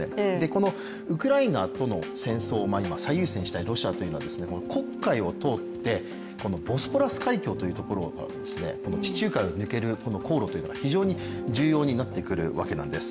このウクライナとの戦争を最優先したいロシアというのはこの黒海を通って、ボスポラス海峡という地中海を抜ける航路が非常に重要になってくるんです。